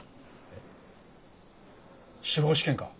えっ司法試験か？